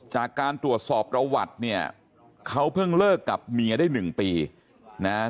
จากการตรวจสอบประวัติเนี่ยเขาเพิ่งเลิกกับเมียได้๑ปีนะฮะ